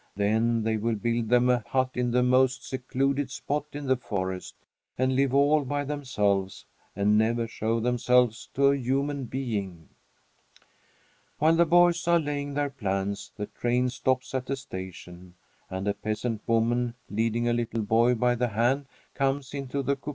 Then they will build them a hut in the most secluded spot in the forest, and live all by themselves and never show themselves to a human being. While the boys are laying their plans, the train stops at a station, and a peasant woman, leading a little boy by the hand, comes into the coupé.